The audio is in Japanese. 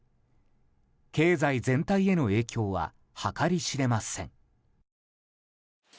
経済全体への影響は計り知れません。